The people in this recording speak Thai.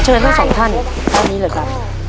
ขอเชิญทั้ง๒ท่านทั้งนี้เลยค่ะ